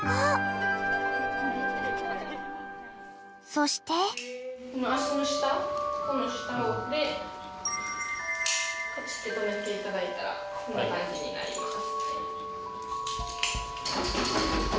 ［そして］この下でカチッて留めていただいたらこんな感じになります。